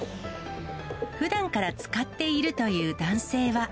ふだんから使っているという男性は。